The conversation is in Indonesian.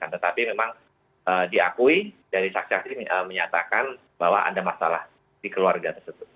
tetapi memang diakui dari saksi saksi menyatakan bahwa ada masalah di keluarga tersebut